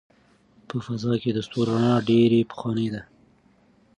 په فضا کې د ستورو رڼا ډېره پخوانۍ ده.